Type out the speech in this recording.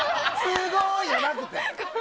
すごい！じゃなくて。